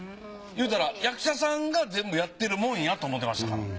いうたら役者さんが全部やってるもんやと思ってましたから。